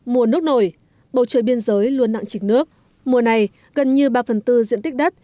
mùa nước nổi bầu trời biên giới luôn nặng trịch nước mùa này gần như ba phần tư diện tích đất